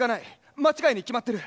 間違いに決まってる。